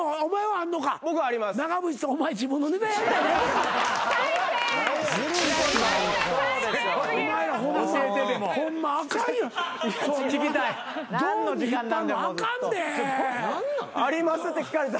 「あります？」って聞かれたんで。